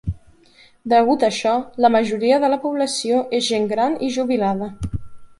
Degut a això, la majoria de la població és gent gran i jubilada.